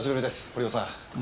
堀場さん。